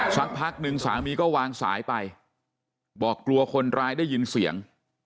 สักพักหนึ่งสามีก็วางสายไปบอกกลัวคนร้ายได้ยินเสียง